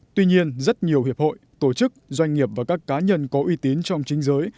tuy nhiên rất nhiều hiệp hội tổ chức doanh nghiệp và các cá nhân có uy tín trong chính giới